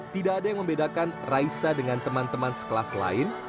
tidak ada yang membedakan raisa dengan teman teman sekelas lain